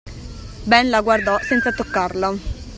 Ben la guardò, senza toccarla.